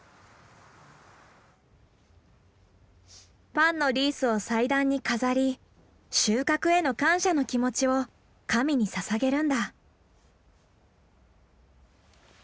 パンのリースを祭壇に飾り収穫への感謝の気持ちを神にささげるんだ。